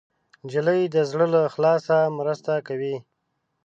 نجلۍ د زړه له اخلاصه مرسته کوي.